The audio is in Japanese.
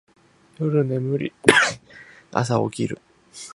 夜眠り、朝起きる